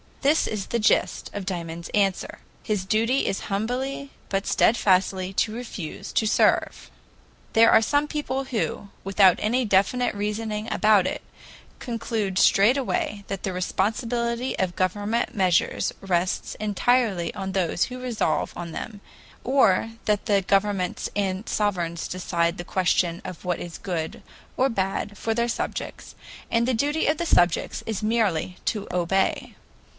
This is the gist of Dymond's answer: "His duty is humbly but steadfastly to refuse to serve." There are some people, who, without any definite reasoning about it, conclude straightway that the responsibility of government measures rests entirely on those who resolve on them, or that the governments and sovereigns decide the question of what is good or bad for their subjects, and the duty of the subjects is merely to obey.